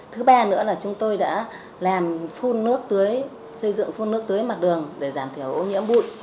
thứ ba nữa là chúng tôi đã làm phun nước tưới xây dựng phun nước tưới mặt đường để giảm thiểu ô nhiễm bụi